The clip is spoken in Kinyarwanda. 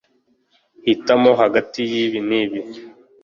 Hitamo hagati yibi nibi